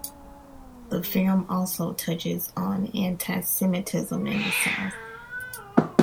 The film also touches on anti-semitism in the South.